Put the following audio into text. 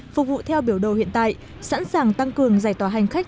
phục vụ theo biểu đồ hiện tại sẵn sàng tăng cường giải tỏa hành khách